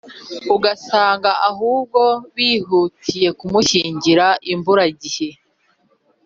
ugasanga ahubwo bihutiye kumushyingira imburagihe